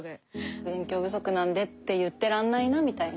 勉強不足なんでって言ってらんないなみたいな。